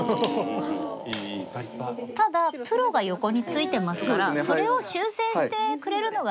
ただプロが横についてますからそれを修正してくれるのが。